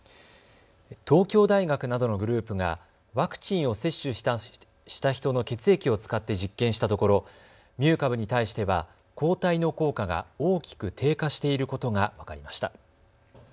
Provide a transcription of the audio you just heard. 東京大学などのグループがワクチンを接種した人の血液を使って実験したところミュー株に対しては抗体の効果が大きく低下していることが分かりました。